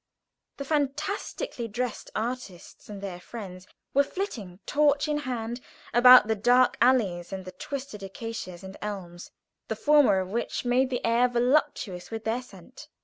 The fantastically dressed artists and their friends were flitting, torch in hand, about the dark alleys under the twisted acacias and elms, the former of which made the air voluptuous with their scent.